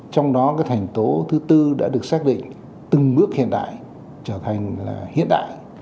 trong đó thành tố thứ bốn đã được xác định từng bước hiện đại trở thành hiện đại